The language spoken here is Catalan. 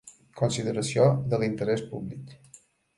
consideració de l'interès públic.